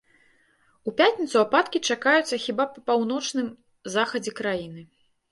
У пятніцу ападкі чакаюцца хіба па паўночным захадзе краіны.